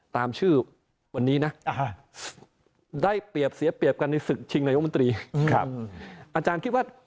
ตามชื่อวันนี้นะได้เปรียบเสียเปรียบกันในศึกชิงนายกมันตรี